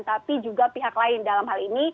tapi juga pihak lain dalam hal ini